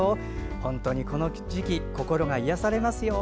本当にこの時期心が癒やされますよ。